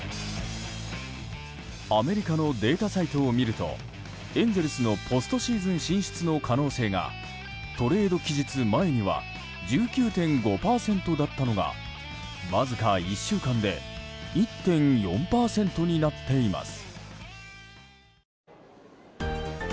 アメリカのデータサイトを見るとエンゼルスのポストシーズン進出の可能性がトレード期日前には１９．５％だったのがわずか１週間で１．４％になっています。